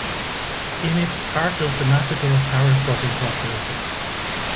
In it part of the Massacre of Paris was incorporated.